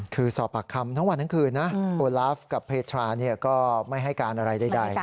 คือสอบปากคำทั้งวันทั้งคืนนะโอลาฟกับเพทราก็ไม่ให้การอะไรใด